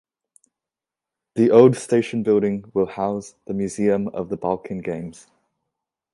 The old station building will house the museum of the Balkan Games.